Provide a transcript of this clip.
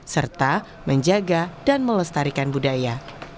serta menjaga dan melestarikan budaya